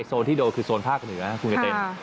โซนที่โดนคือโซนภาคหนึ่งนะฮะภูเกตน